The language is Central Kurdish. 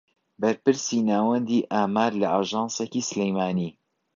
بەرپرسی ناوەندی ئامار لە ئاژانسێکی سلێمانی